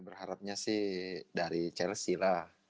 berharapnya sih dari chelsea lah